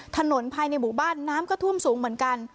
ถนนภายในหมู่บ้านน้ำก็ท่วมสูงเหมือนกัน